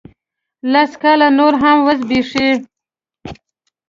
لس کاله نور هم وزبیښي